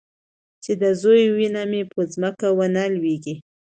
چې د زوى وينه مې په ځمکه ونه لوېږي.